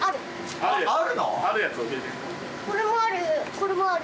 これもある。